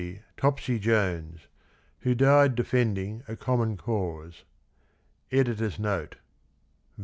TOPSY JONES, Who died defending " A Common Cause." (Editor's Note.